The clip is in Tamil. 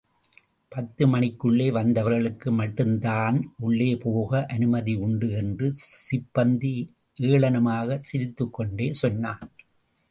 பத்து மணிக்குள்ளே வந்தவர்களுக்கு மட்டும்தான் உள்ளே போக அனுமதி உண்டு. என்று சிப்பந்தி ஏளனமாக சிரித்துக் கொண்டே சொன்னான்.